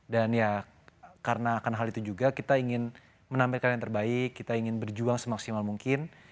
dan ya karena hal itu juga kita ingin menampilkan yang terbaik kita ingin berjuang semaksimal mungkin